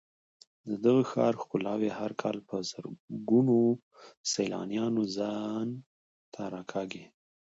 د دغه ښار ښکلاوې هر کال په زرګونو سېلانیان ځان ته راکاږي.